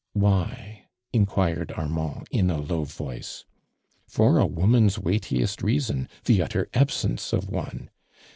"Why?"' iniiuircd Armand, in a low voice. '' For a woman's weightiest reason— tho utter absence of one.